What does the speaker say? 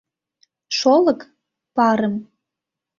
Шолык — парым.